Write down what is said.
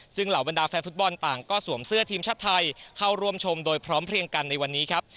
ซึ่งเหล่าบรรดาแฟนฟุตบอลต่างก็สวมเสื้อทีมชาติไทยเข้าร่วมชมโดยพร้อมเพลียงกันในวันนี้ครับ